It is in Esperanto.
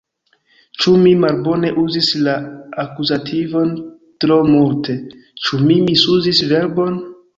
Ĉu mi malbone uzis la akuzativon tro multe, Ĉu mi misuzis verbon?